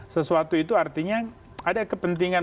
sesuatu itu artinya ada kepentingan